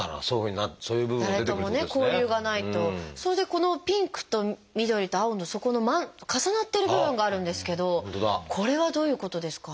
それでこのピンクと緑と青のそこの重なってる部分があるんですけどこれはどういうことですか？